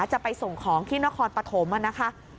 จะไปส่งของที่นครปฐมนะคะ